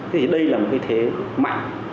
thì đây là một cái thế mạnh